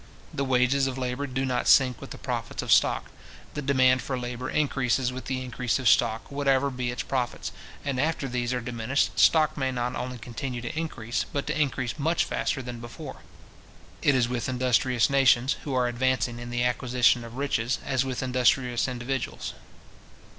The wages of labour do not sink with the profits of stock. The demand for labour increases with the increase of stock, whatever be its profits; and after these are diminished, stock may not only continue to increase, but to increase much faster than before. It is with industrious nations, who are advancing in the acquisition of riches, as with industrious individuals.